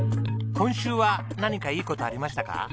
今週は何かいい事ありましたか？